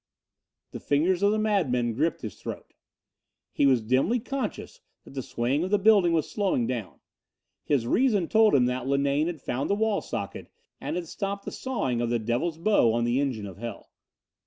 The fingers of the madman gripped his throat. He was dimly conscious that the swaying of the building was slowing down. His reason told him that Linane had found the wall socket and had stopped the sawing of the devil's bow on the engine of hell.